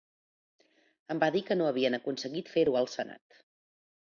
Em va dir que no havien aconseguit fer-ho al senat.